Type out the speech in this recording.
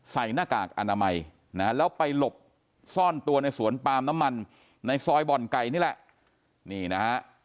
หน้ากากอนามัยนะฮะแล้วไปหลบซ่อนตัวในสวนปามน้ำมันในซอยบ่อนไก่นี่แหละนี่นะฮะ